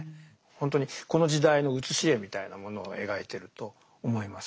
本当にこの時代の写し絵みたいなものを描いてると思います。